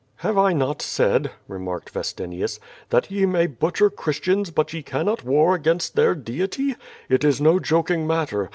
"Have I not said," remarked Vestinius, that ye may butcher Christians, but ye cannot war against their Deity! It is no joking matter.